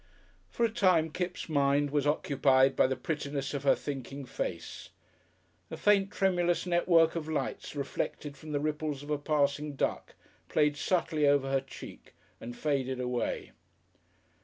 For a time Kipps' mind was occupied by the prettiness of her thinking face. A faint, tremulous network of lights reflected from the ripples of a passing duck, played subtly over her cheek and faded away.